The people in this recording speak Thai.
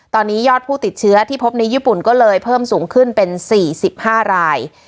ตอนนี้ยอดผู้ติดเชื้อที่พบในญี่ปุ่นก็เลยเพิ่มสูงขึ้นเป็น๔๕ราย